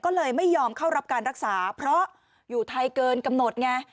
ก็เลยไม่ยอมเข้ารับการรักษาเพราะอยู่ไทยเกินกำหนดไง